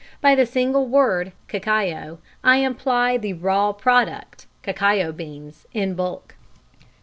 By the single word, cacao, I imply the raw product, cacao beans, in bulk.